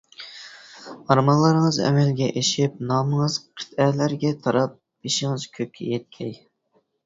ئارمانلىرىڭىز ئەمەلگە ئېشىپ، نامىڭىز قىتئەلەرگە تاراپ، بېشىڭىز كۆككە يەتكەي!